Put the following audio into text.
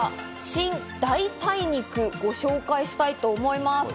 新代替肉をご紹介したいと思います。